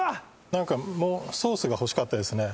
なんかソースが欲しかったですね